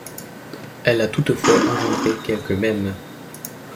Elle a toutefois engendré quelques mèmes.